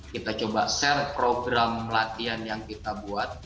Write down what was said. kita coba share program latihan yang kita buat